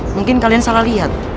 mungkin kalian salah lihat